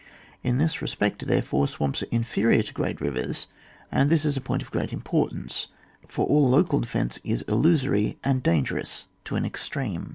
In this respect, therefore, swamps aro inferior to great rivers, and this is a point of great importance, for all local defence is illusory and dangerous to an extreme.